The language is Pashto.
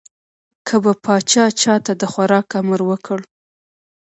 که به پاچا چا ته د خوراک امر وکړ.